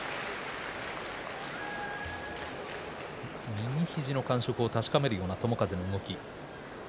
右肘の感触を確かめるような友風の動き。